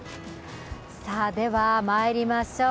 では、まいりましょう。